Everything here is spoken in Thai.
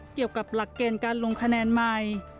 เกี่ยวกับหลักเกณฑ์การลงคะแนนใหม่